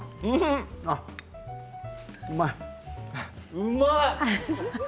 うまい！